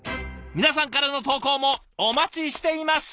皆さんからの投稿もお待ちしています！